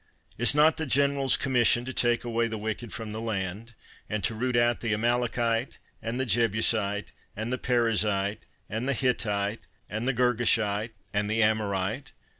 Is not the General's commission to take away the wicked from the land, and to root out the Amalekite, and the Jebusite, and the Perizzite, and the Hittite, and the Girgashite, and the Amorite?